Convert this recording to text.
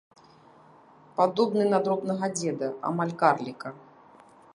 Падобны на дробнага дзеда, амаль карліка.